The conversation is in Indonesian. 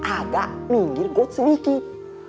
agak minggir kot sedikit